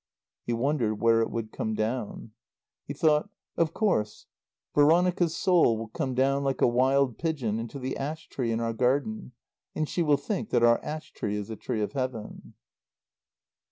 He wondered where it would come down. He thought: "Of course, Veronica's soul will come down like a wild pigeon into the ash tree in our garden, and she will think that our ash tree is a tree of Heaven."